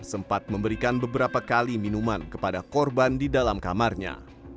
sempat memberikan beberapa kali minuman kepada korban di dalam kamarnya